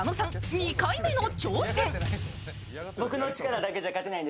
２回目の挑戦。